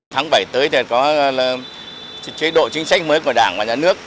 tháng bảy tới thì có chế độ chính sách mới của đảng và nhà nước